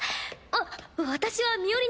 あっ。